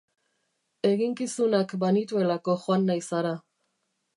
Eginkizunak banituelako joan naiz hara.